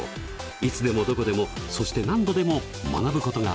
いつでもどこでもそして何度でも学ぶことができます。